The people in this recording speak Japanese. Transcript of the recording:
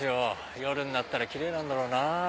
夜になったらキレイなんだろうなぁ。